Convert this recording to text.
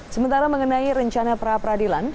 sementara mengenai rencana peradilan